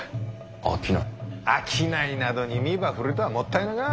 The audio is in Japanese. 商いなどに身ば振るとはもったいなか。